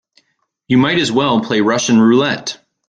You might as well play Russian roulette.